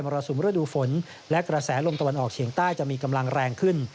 รสุมฤดูฝนและกระแสลมตะวันออกเฉียงใต้จะมีกำลังแรงขึ้น